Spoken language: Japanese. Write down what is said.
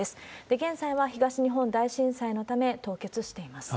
現在は東日本大震災のため凍結しています。